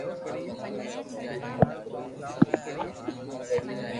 مني آ وات ري خبر ني ھوئي